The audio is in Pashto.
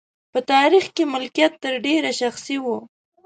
په تاریخ کې مالکیت تر ډېره شخصي و.